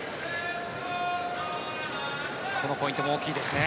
このポイントも大きいですね。